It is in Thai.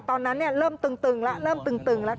ตอนนั้นเริ่มตึงแล้วเริ่มตึงแล้ว